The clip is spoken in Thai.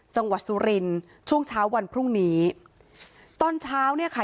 จังหวัดสุรินทร์ช่วงเช้าวันพรุ่งนี้ตอนเช้าเนี่ยค่ะ